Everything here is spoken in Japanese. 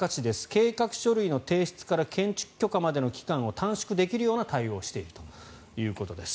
計画書類の提出から建築許可までの期間を短縮できるような対応をしているということです。